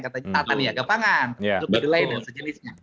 katanya tata niaga pangan dan sejenisnya